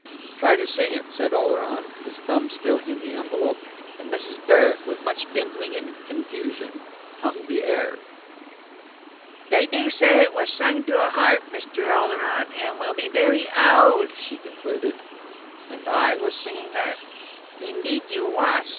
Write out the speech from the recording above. '" "Try to sing it," said Oleron, his thumb still in the envelope; and Mrs. Barrett, with much dimpling and confusion, hummed the air. "They do say it was sung to a harp, Mr. Oleron, and it will be very o ald," she concluded. "And I was singing that?" "Indeed you wass.